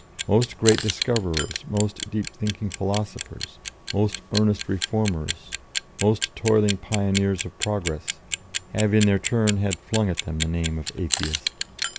Most great discoverers, most deep thinking philosophers, most earnest reformers, most toiling pioneers of progress, have in their turn had flung at them the name of Atheist.